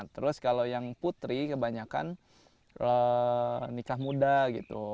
terus kalau yang putri kebanyakan nikah muda gitu